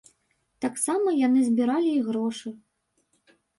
Таксама яны збіралі і грошы.